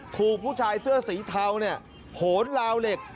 ถูกผู้ชายเสื้อสีเทาเนี่ยโหนลาวเหล็ก